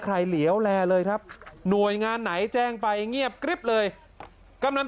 เหลียวแลเลยครับหน่วยงานไหนแจ้งไปเงียบกริ๊บเลยกำนัน